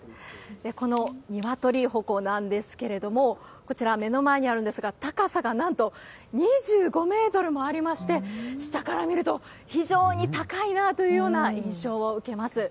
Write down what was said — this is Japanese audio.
この鶏鉾なんですけれども、こちら、目の前にあるんですが、高さがなんと２５メートルもありまして、下から見ると、非常に高いなぁというような印象を受けます。